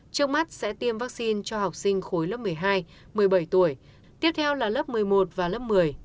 trước mắt sẽ tiêm vaccine cho học sinh khối lớp một mươi hai một mươi bảy tuổi tiếp theo là lớp một mươi một và lớp một mươi